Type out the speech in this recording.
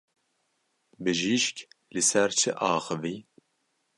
Bijîşk li ser çi axivî?